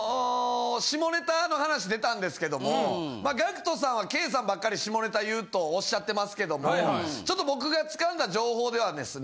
下ネタの話出たんですけどもＧＡＣＫＴさんはＫさんばっかり下ネタ言うとおっしゃってますけどもちょっと僕が掴んだ情報ではですね。